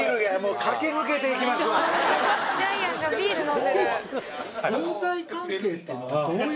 ジャイアンがビール飲んでる。